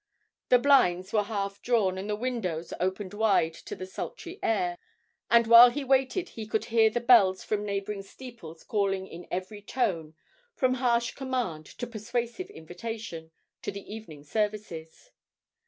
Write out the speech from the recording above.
The blinds were half drawn and the windows opened wide to the sultry air, and while he waited he could hear the bells from neighbouring steeples calling in every tone, from harsh command to persuasive invitation, to the evening services.